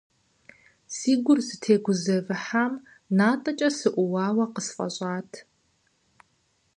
Си гур зытегузэвыхьам натӏэкӏэ сыӀууауэ къысфӏэщӏат.